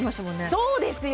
そうですよ